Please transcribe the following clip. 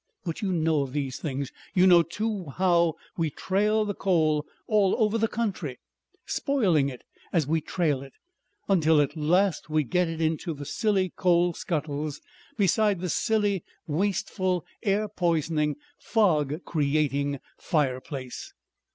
But you know of these things. You know too how we trail the coal all over the country, spoiling it as we trail it, until at last we get it into the silly coal scuttles beside the silly, wasteful, airpoisoning, fog creating fireplace.